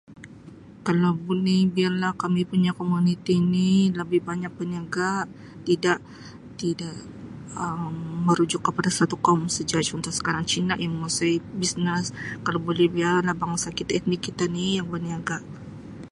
Kalau buleh biarlah kami punya komuniti ini lebih banyak peniaga, tidak-tidak Um merujuk kepada satu kaum seja. Contoh sekarang Cina yang menguasai business, kalau buleh biarlah bangsa kita, etnik kita ni yang berniaga.